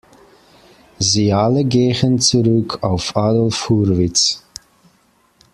Sie alle gehen zurück auf Adolf Hurwitz.